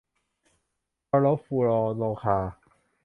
คลอโรฟลูออโรคาร์